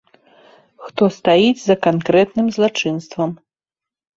Хто стаіць за канкрэтным злачынствам.